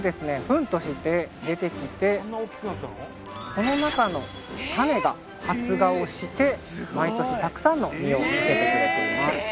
フンとして出てきてその中の種が発芽をして毎年たくさんの実をつけてくれています